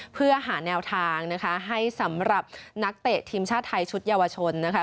เพื่อหาแนวทางนะคะให้สำหรับนักเตะทีมชาติไทยชุดเยาวชนนะคะ